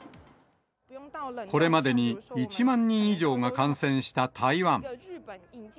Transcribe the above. これまでに１万人以上が感染した台湾。